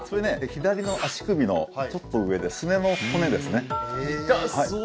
左の足首のちょっと上でスネの骨ですね痛そう！